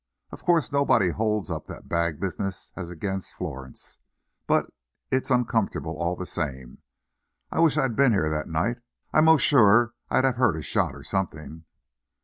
Of course, nobody holds up that bag business as against Florence, but it's uncomfortable all the same. I wish I'd been here that night. I'm 'most sure I'd have heard a shot, or something."